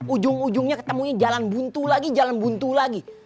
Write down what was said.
ujung ujungnya ketemunya jalan buntu lagi jalan buntu lagi